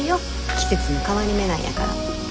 季節の変わり目なんやから。